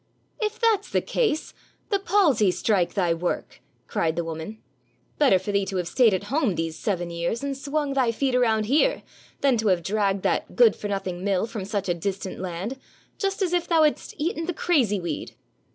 "If that's the case, the palsy strike thy work," cried the woman; "better for thee to have stayed at home these seven years, and swung thy feet around here, than to have dragged that good for nothing mill from such a distant land, just as if thou hadst eaten the crazy weed